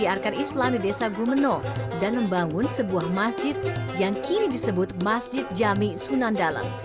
diarkan islam di desa gumeno dan membangun sebuah masjid yang kini disebut masjid jami sunan dalem